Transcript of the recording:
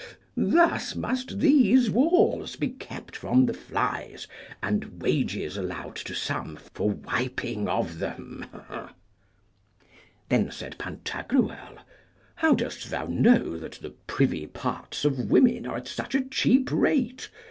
Thus must these walls be kept from the flies, and wages allowed to some for wiping of them. Then said Pantagruel, How dost thou know that the privy parts of women are at such a cheap rate?